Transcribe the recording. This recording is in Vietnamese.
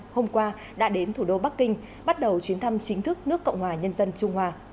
hôm qua đã đến thủ đô bắc kinh bắt đầu chuyến thăm chính thức nước cộng hòa nhân dân trung hoa